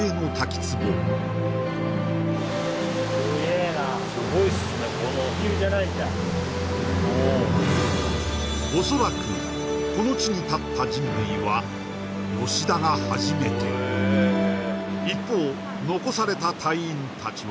すげえなおそらくこの地に立った人類は吉田が初めて一方残された隊員達は？